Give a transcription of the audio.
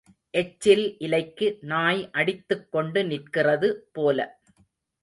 எச்சில் இலைக்கு நாய் அடித்துக்கொண்டு நிற்கிறது போல.